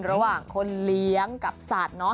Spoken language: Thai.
ระหว่างคนเลี้ยงกับสัตว์